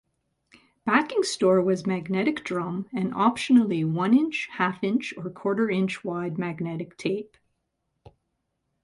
Backing store was magnetic drum, and optionally one-inch-, half-inch- or quarter-inch-wide magnetic tape.